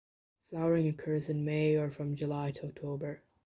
Flowering occurs in May or from July to October.